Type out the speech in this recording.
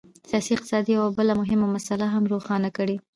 سیاسي اقتصاد یوه بله مهمه مسله هم روښانه کوي.